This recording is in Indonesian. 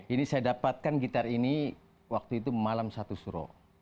ini saya dapatkan gitar ini waktu itu malam satu suro